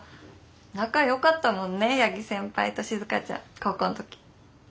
仲よかったもんね八木先輩と静ちゃん高校の時。